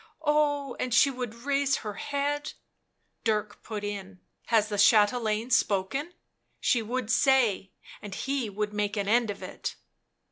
Oh, and she would raise her head " Dirk put in: "'Has the chatelaine spoken?' she would say, and he would make an end of it."